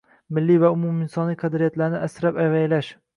milliy va umuminsoniy qadriyatlarni asrab-avaylash